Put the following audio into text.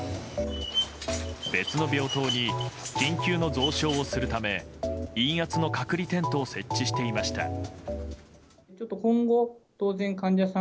別の病棟に緊急の増床をするため陰圧の隔離テントを設置していました。